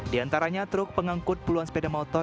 di antaranya truk pengangkut puluhan sepeda motor